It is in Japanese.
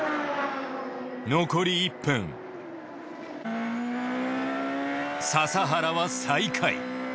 残り１分笹原は最下位。